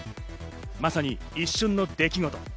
まさに一瞬の出来事。